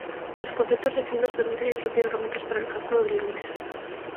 Los conceptos definidos permiten introducir herramientas para el cálculo de límites.